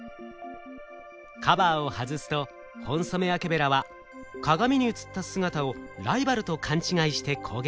カバーを外すとホンソメワケベラは鏡に映った姿をライバルと勘違いして攻撃。